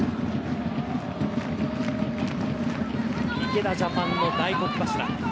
池田ジャパンの大黒柱